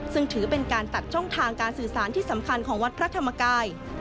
ซึ่งถือเป็นการตัดช่องทางการสื่อสารที่สำคัญของวัดพระธรรมกาย